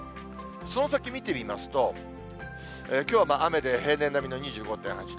その先見てみますと、きょうも雨で平年並みの２５．８度。